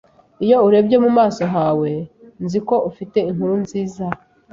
Iyo urebye mu maso hawe, nzi ko ufite inkuru nziza.